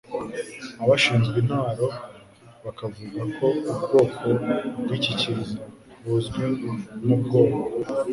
Abashinzwe intwaro bakavuga ko ubwoko bw'iki kiza, buzwi nk'ubwoko